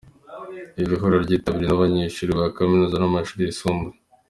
Iri huriro ryitabiriwe n'abanyeshuri ba kaminuza n'amashuri yisumbuye.